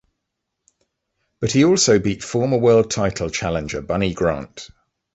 But he also beat former world title challenger Bunny Grant.